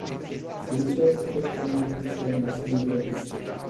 Sincer, cred că nu există un asemenea risc.